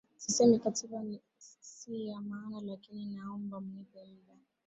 Sisemi katiba si ya maana lakini naomba mnipe muda